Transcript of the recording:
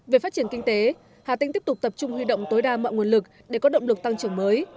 về phát triển kinh tế hà tĩnh tiếp tục tập trung huy động tối đa mọi nguồn lực để có động lực tăng trưởng mới